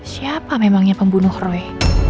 siapa memangnya pembunuh roy